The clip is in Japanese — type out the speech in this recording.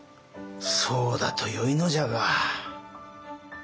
そうだとよいのじゃが。